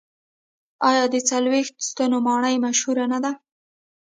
آیا د څلوېښت ستنو ماڼۍ مشهوره نه ده؟